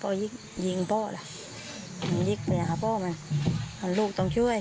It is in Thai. ต้องช่วยพ่อพ่อยิงพ่อล่ะมันยิงไปหาพ่อมันลูกต้องช่วย